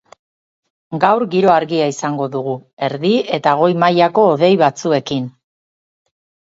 Gaur, giro argia izango dugu, erdi eta goi mailako hodei batzuekin.